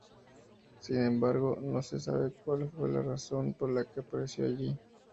Sin embargo no se sabe cuál fue la razón por la que pereció allí.